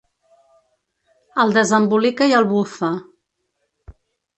El desembolica i el bufa.